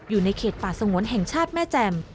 อยู่ในเขตป่าสงวนแห่งชาติแม่แจ่ม